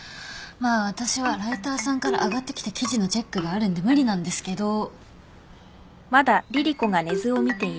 まあ私はライターさんから上がってきた記事のチェックがあるんで無理なんですけど。